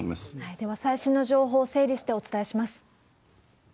では、最新の情報を整理してお伝えします。